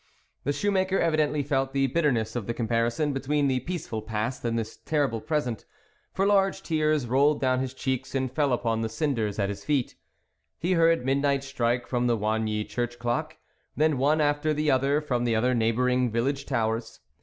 The shoemaker evidently felt the bitter ness of the comparison between that peace ful past and this terrible present, for large tears rolled down his cheeks and fell upon the cinders at his feet. He heard mid night strike from the Oigny church clock, then one after the other from the other neighbouring village towers.